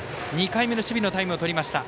２回目の守備のタイムをとりました。